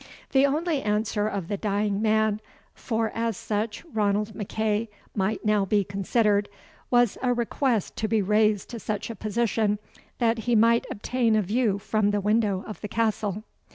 The only answer of the dying man (for as such Ranald MacEagh might now be considered) was a request to be raised to such a position that he might obtain a view from the window of the Castle.